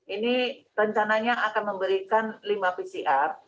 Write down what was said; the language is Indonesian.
ini rencananya akan memberikan lima pcr